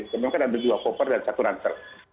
kami kan ada dua koper dan satu rancer